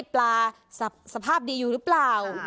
ปลาสภาพดีอยู่หรือเปล่า